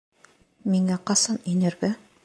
Миңә ҡасан инергә?